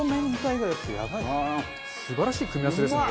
素晴らしい組み合わせですね。